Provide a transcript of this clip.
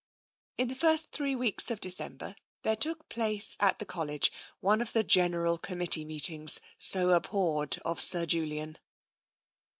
In the first week of December there took place at 89 90 TENSION the College one of the General Committee meetings so abhorred of Sir Julian.